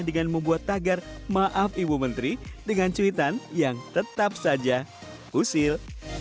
dengan membuat tagar maaf ibu menteri dengan cuitan yang tetap saja usil